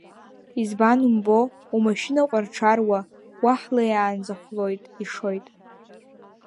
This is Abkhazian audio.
Избан умбо, умашьына ҟәарҽаруа, уа ҳлеиаанӡа хәлоит, ишоит…